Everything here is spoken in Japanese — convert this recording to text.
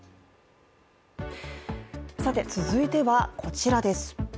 続いてはこちらです。